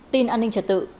tin an ninh trật tự